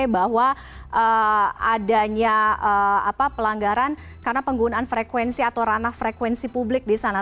bahwa adanya pelanggaran karena penggunaan frekuensi atau ranah frekuensi publik di sana